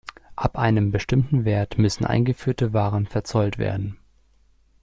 Ab einem bestimmten Wert müssen eingeführte Waren verzollt werden.